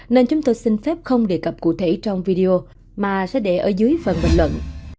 nên chúng tôi xin phép không đề cập cụ thể trong video mà sẽ để ở dưới phần bình luận